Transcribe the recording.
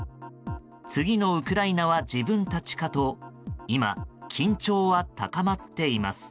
次のウクライナは自分たちかと今、緊張は高まっています。